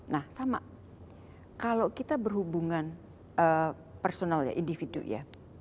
nah sama kalau kita berhubungan personal ya individu ya